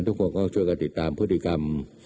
ทุกคนก็ช่วยกันติดตามพฤติกรรม